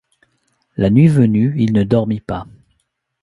La nuit venue, il ne dormit pas.